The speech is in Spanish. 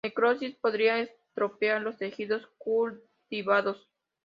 Necrosis podría estropear los tejidos cultivados.